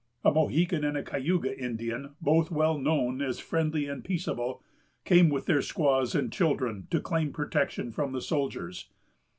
A Mohican and a Cayuga Indian, both well known as friendly and peaceable, came with their squaws and children to claim protection from the soldiers.